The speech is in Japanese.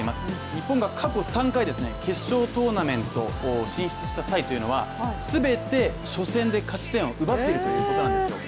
日本が過去３回決勝トーナメントに進出した際は全て初戦で勝ち点を奪っているということなんですよ。